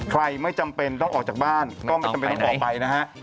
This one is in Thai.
ไม่จำเป็นต้องออกจากบ้านก็ไม่จำเป็นต้องออกไปนะฮะ